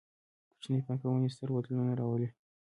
کوچنۍ پانګونې، ستر بدلونونه راولي